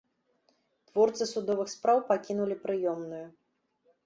Творцы судовых спраў пакінулі прыёмную.